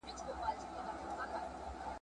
تل به تر لمني هر یوسف زلیخا نه یسي ..